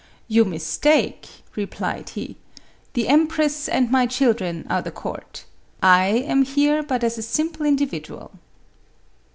"You mis take," replied he ;" the empress and my children are the court ; I am here but as a simple individual."